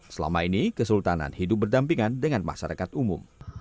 selama ini kesultanan hidup berdampingan dengan masyarakat umum